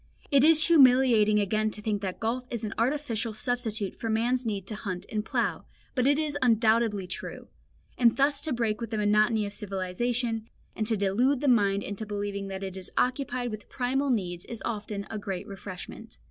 It is humiliating again to think that golf is an artificial substitute for man's need to hunt and plough, but it is undoubtedly true; and thus to break with the monotony of civilisation, and to delude the mind into believing that it is occupied with primal needs is often a great refreshment.